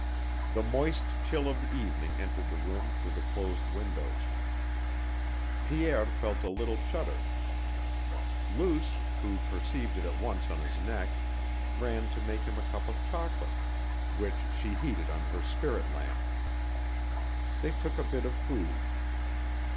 The moist chill of evening entered the room through the closed windows. Pierre felt a little shudder. Luce, who perceived it at once on his neck, ran to make him a cup of chocolate, which she heated on her spirit lamp. They took a bit of food.